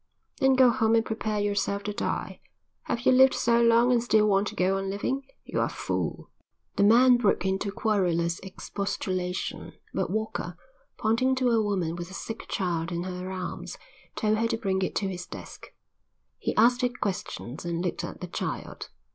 "Then go home and prepare yourself to die. Have you lived so long and still want to go on living? You're a fool." The man broke into querulous expostulation, but Walker, pointing to a woman with a sick child in her arms, told her to bring it to his desk. He asked her questions and looked at the child.